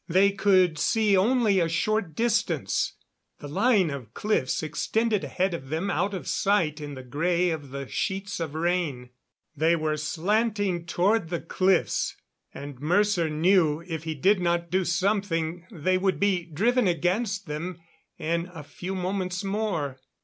They could see only a short distance. The line of cliffs extended ahead of them out of sight in the gray of the sheets of rain. They were slanting toward the cliffs, and Mercer knew if he did not do something they would be driven against them in a few moments more.